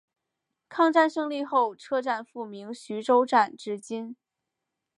抗战胜利后车站复名徐州站至今。